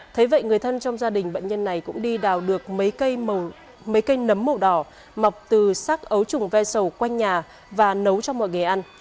thế vậy người thân trong gia đình bệnh nhân này cũng đi đào được mấy cây nấm màu đỏ mọc từ xác ấu trùng ve sầu quanh nhà và nấu cho mọi người ăn